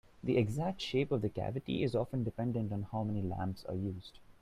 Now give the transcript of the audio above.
The exact shape of the cavity is often dependent on how many lamps are used.